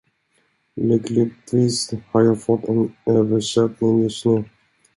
Lyckligtvis har jag fått en översättning just nu.